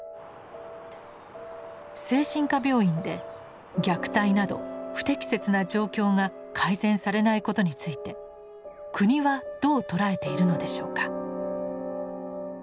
精神科病院で虐待など不適切な状況が改善されないことについて国はどう捉えているのでしょうか。